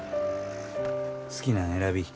好きなん選び。